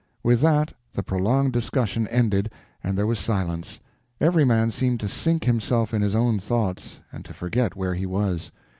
With that, the prolonged discussion ended, and there was silence. Every man seemed to sink himself in his own thoughts, and to forget where he was.